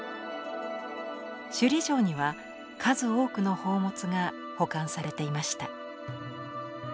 首里城には数多くの宝物が保管されていました。